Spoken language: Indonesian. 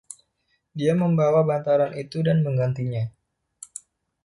Dia membawa bantalan itu dan menggantinya.